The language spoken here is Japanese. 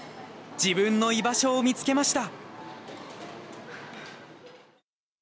自分の居場所を見つけました。